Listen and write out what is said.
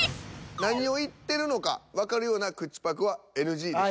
何を言ってるのかわかるような口パクはＮＧです。